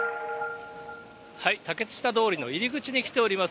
竹下通りの入り口に来ております。